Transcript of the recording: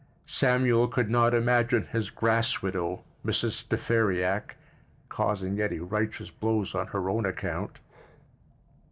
Samuel could not imagine his grass widow, Mrs. De Ferriac, causing any very righteous blows on her own account.